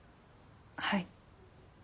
はい。